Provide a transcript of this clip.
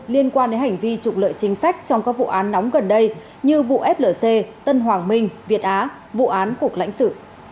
liên quan đến hành vi trục lợi chính sách trong các vụ án nóng gần đây như vụ flc tân hoàng minh việt á vụ án cục lãnh sự